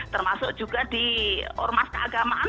termasuk juga di ormas keagamaan